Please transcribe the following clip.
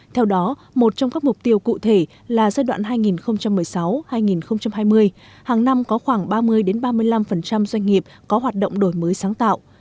theo đó một trong các mục tiêu cụ thể là giai đoạn hai nghìn một mươi sáu hai nghìn hai mươi hàng năm có khoảng ba mươi ba mươi năm doanh nghiệp có hoạt động đổi mới sáng tạo